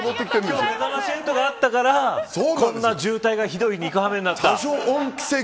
今日、めざまし８があったからこんな渋滞がひどい日に行くはめになった。